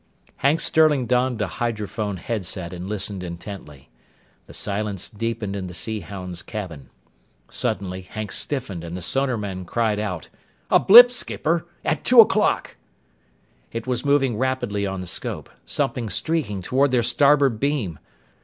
Hank Sterling donned a hydrophone headset and listened intently. The silence deepened in the Sea Hound's cabin. Suddenly Hank stiffened and the sonarman cried out: "A blip, skipper! At two o'clock!" It was moving rapidly on the scope something streaking toward their starboard beam!